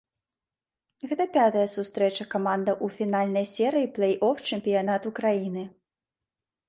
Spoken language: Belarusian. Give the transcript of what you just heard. Гэтая пятая сустрэча камандаў у фінальнай серыі плэй-оф чэмпіянату краіны.